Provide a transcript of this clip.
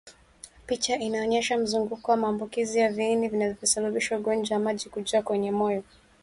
Picha Inaonyesha mzunguko wa maambukizi ya viini vinavyosababisha ugonjwa wa maji kujaa kwenye moyo